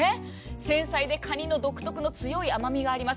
繊細でかにの独特の強い甘みがあります。